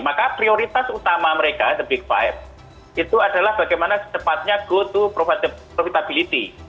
maka prioritas utama mereka the big five itu adalah bagaimana secepatnya go to profitability